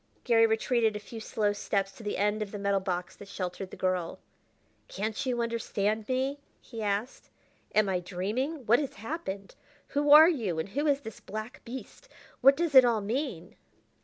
Garry retreated a few slow steps to the end of the metal box that sheltered the girl. "Can't you understand me?" he asked. "Am I dreaming? What has happened? Who are you, and who is this black beast? What does it all mean?"